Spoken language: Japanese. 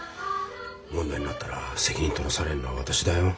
問題になったら責任取らされるのは私だよ。